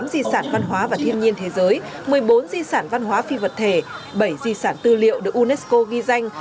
tám di sản văn hóa và thiên nhiên thế giới một mươi bốn di sản văn hóa phi vật thể bảy di sản tư liệu được unesco ghi danh